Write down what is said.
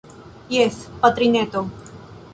Jes, patrineto.